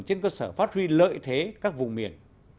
trên cơ sở phát huy lợi thế các vùng miền